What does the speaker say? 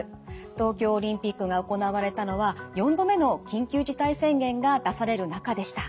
東京オリンピックが行われたのは４度目の緊急事態宣言が出される中でした。